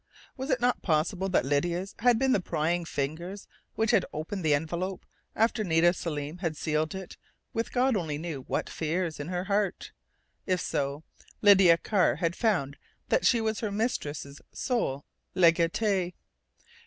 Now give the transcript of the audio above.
Was it not possible that Lydia's had been the prying fingers which had opened the envelope after Nita Selim had sealed it with God only knew what fears in her heart? If so, Lydia Carr had found that she was her mistress' sole legatee....